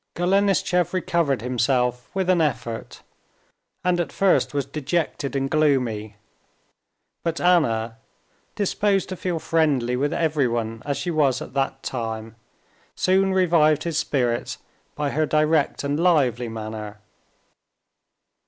Golenishtchev recovered himself with an effort, and at first was dejected and gloomy, but Anna, disposed to feel friendly with everyone as she was at that time, soon revived his spirits by her direct and lively manner.